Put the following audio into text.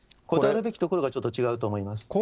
こたえるべきところがちょっと違うと思います。